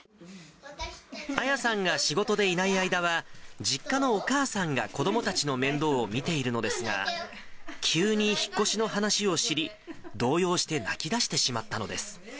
亜矢さんが仕事でいない間は、実家のお母さんが子どもたちの面倒を見ているのですが、急に引っ越しの話を知り、動揺して泣き出してしまったのです。